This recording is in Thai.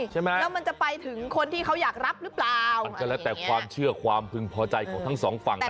ใช่ไหมแล้วมันจะไปถึงคนที่เขาอยากรับหรือเปล่ามันก็แล้วแต่ความเชื่อความพึงพอใจของทั้งสองฝั่งนะ